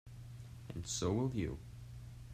And so will you.